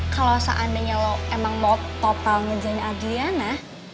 kalau seandainya lo emang mau total ngejain adriana